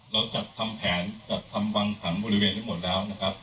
เราจัดทำแผนจัดทำวางผังบริเวณนี้หมดแล้วนะครับ